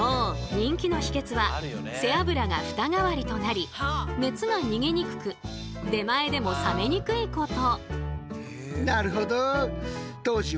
人気の秘けつは背脂がフタ代わりとなり熱が逃げにくく出前でも冷めにくいこと。